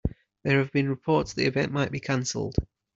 There have been reports the event might be canceled.